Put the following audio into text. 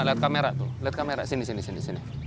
lihat kamera sini sini sini